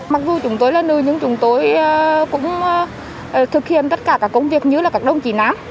mặc dù chúng tôi là nữ nhưng chúng tôi cũng thực hiện tất cả các công việc như là các đồng chí nám